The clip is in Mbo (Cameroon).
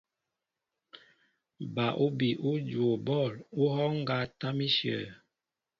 Ba úbi ú juwo bɔ̂l ú hɔ́ɔ́ŋ ŋgá tâm íshyə̂.